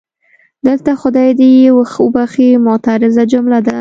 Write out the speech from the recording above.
دلته خدای دې یې وبښي معترضه جمله ده.